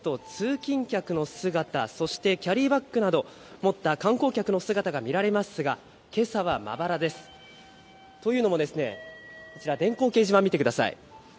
いつもですと、通勤客の姿、そしてキャリーバッグなどを持った観光客の姿が見られますが、けさはまばらです。というのも、こちら、電光掲示板見てください。